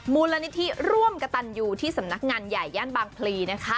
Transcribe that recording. มูลนิธิร่วมกระตันยูที่สำนักงานใหญ่ย่านบางพลีนะคะ